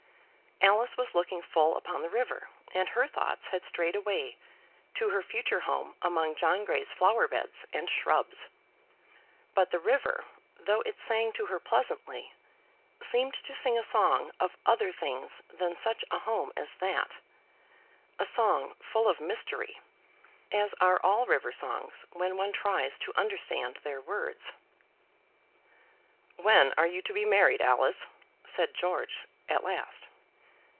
Alice was looking full upon the river, and her thoughts had strayed away to her future home among John Grey's flower beds and shrubs; but the river, though it sang to her pleasantly, seemed to sing a song of other things than such a home as that, a song full of mystery, as are all river songs when one tries to understand their words. "When are you to be married, Alice?" said George at last.